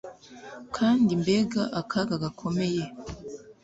Kandi mbega akaga gakomeye